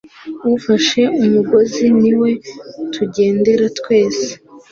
Ufashe umugozi niwe tugendera twese